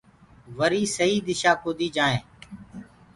وي سهيٚ دِشآ ڪوديٚ جآئين۔